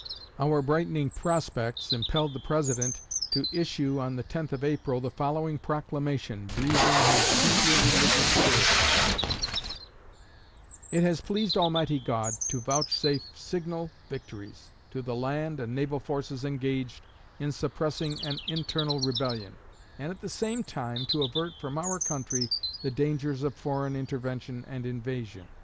Our brightening prospects impelled the President to issue, on the 10th of April, the following proclamation, breathing his deeply religious spirit: It has pleased Almighty God to vouchsafe signal victories to the land and naval forces engaged in suppressing an internal rebellion, and at the same time to avert from our country the dangers of foreign intervention and invasion.